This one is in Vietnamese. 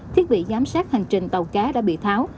thiết bị giám sát hành trình tàu cá đã bị tháo